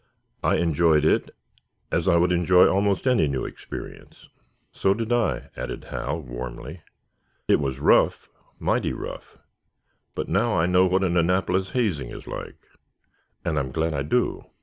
I enjoyed it as I would enjoy almost any new experience." "So did I," added Hal, warmly. "It was rough—mighty rough—but now I know what an Annapolis hazing is like, and I'm glad I do."